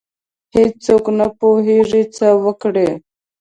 هیڅ څوک نه پوهیږي څه وکړي.